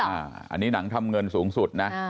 อันนี้หนังทำเงินสูงสุดนะ